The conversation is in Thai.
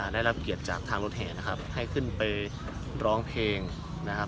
ได้รับเกียรติจากทางรถแห่นะครับให้ขึ้นไปร้องเพลงนะครับ